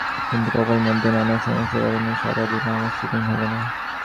কিন্তু কপাল মন্দ—নানা সমস্যার কারণে সারা দিন আমার শুটিং হলো না।